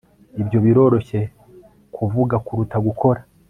ibyo biroroshye kuvuga kuruta gukora